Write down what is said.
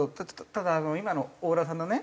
ただ今の大浦さんのね。